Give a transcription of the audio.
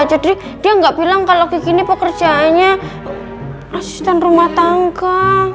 jadi dia ga bilang kalo gigi ini pekerjaannya asisten rumah tangga